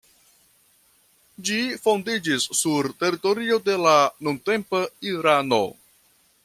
Ĝi fondiĝis sur teritorio de la nuntempa Irano.